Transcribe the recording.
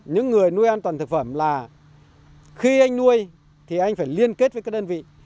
những người nuôi an toàn thực phẩm là khi anh nuôi thì anh phải liên kết với các đơn vị